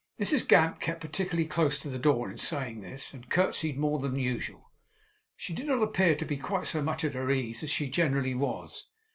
Mrs Gamp kept particularly close to the door in saying this, and curtseyed more than usual. She did not appear to be quite so much at her ease as she generally was.